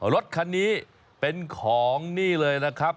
รถคันนี้เป็นของนี่เลยนะครับ